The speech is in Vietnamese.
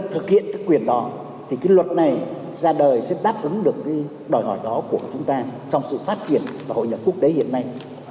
thực hiện cái quyền đó thì cái luật này ra đời sẽ đáp ứng được cái đòi hỏi đó của chúng ta trong sự phát triển và hội nhập quốc tế hiện nay